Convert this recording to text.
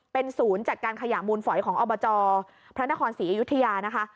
เป็นศูนย์จัดการขยะมูลฝอยของอบจพระนครศรีอยุธยานะคะ